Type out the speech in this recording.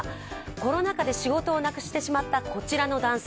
コロナ禍で仕事をなくしてしまったこちらの男性。